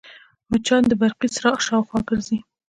مچان د برقي څراغ شاوخوا ګرځي